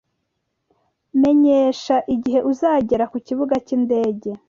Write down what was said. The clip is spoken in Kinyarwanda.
Menyesha igihe uzagera kukibuga cyindege.